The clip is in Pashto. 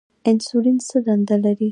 انسولین څه دنده لري؟